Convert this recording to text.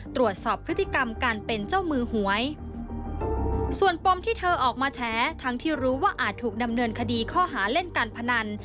ตรวจสอบพฤติกรรมการเป็นเจ้ามือหวยส่วนปมที่เธอออกมาแฉทั้งที่รู้ว่าอาจถูกดำเนินคดีข้อหาเล่นการพนัน